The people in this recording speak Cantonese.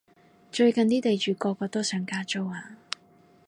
最近啲地主個個都想加租啊